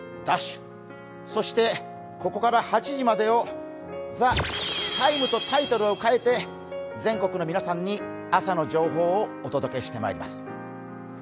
そしてここから８時までを「ＴＨＥＴＩＭＥ，」とタイトルを変えて全国の皆さんに朝の情報をお届けしてまいります。